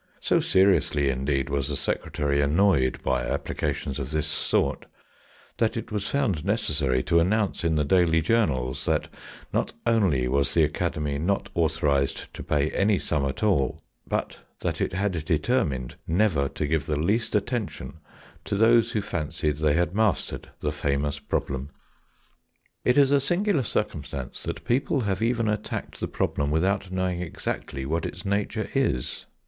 So seriously, indeed, was the secretary annoyed by applications of this sort, that it was found necessary to announce in the daily journals that not only was the Academy not authorised to pay any sum at all, but that it had determined never to give the least attention to those who fancied they had mastered the famous problem. It is a singular circumstance that people have even attacked the problem without knowing exactly what its nature is.